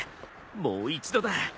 もう一度だ。